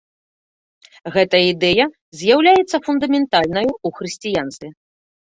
Гэтая ідэя з'яўляецца фундаментальнаю ў хрысціянстве.